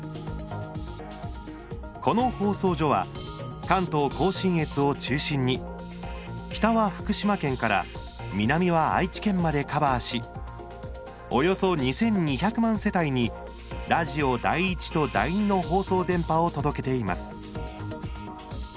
この放送所は関東・甲信越を中心に北は福島県から南は愛知県までカバーしおよそ２２００万世帯にラジオ第１と第２の放送電波を届けています。